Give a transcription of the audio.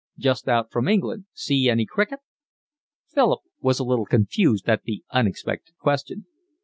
"Just out from England? See any cricket?" Philip was a little confused at the unexpected question.